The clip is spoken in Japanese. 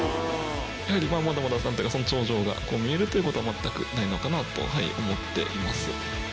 やはり、まだまだ頂上が見えるという事は全くないのかなと思っています。